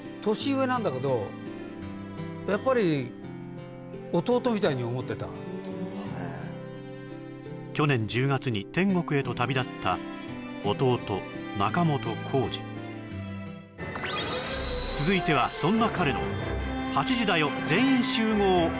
やっぱりに思ってた去年１０月に天国へと旅立った弟仲本工事続いてはそんな彼の火事だ！